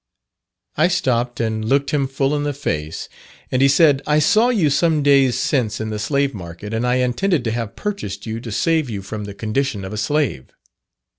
I stopped and looked him full in the face, and he said, 'I saw you some days since in the slave market, and I intended to have purchased you to save you from the condition of a slave.